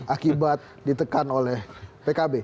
akibat ditekan oleh pkb